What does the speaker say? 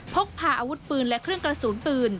พกพาอาวุธปืนและเครื่องกระสุนปืน